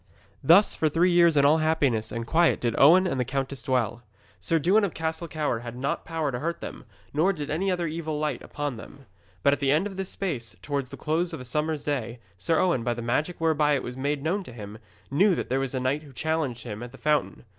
Thus for three years in all happiness and quiet did Owen and the countess dwell. Sir Dewin of Castle Cower had not power to hurt them, nor did any other evil light upon them. But at the end of this space, towards the close of a summer's day, Sir Owen, by the magic whereby it was made known to him, knew that there was a knight who challenged him at the fountain.